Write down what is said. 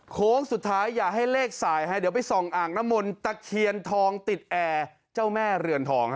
โค้งสุดท้ายอย่าให้เลขสายฮะเดี๋ยวไปส่องอ่างน้ำมนต์ตะเคียนทองติดแอร์เจ้าแม่เรือนทอง